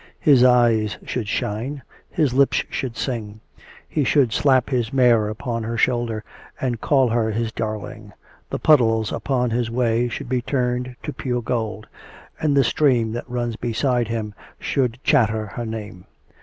His eyes should shine, his lips should sing; he should slap his mare upon her shoulder and call her his darling. The puddles upon his way should be turned to pure gold, and the stream that runs beside him should chatter her name.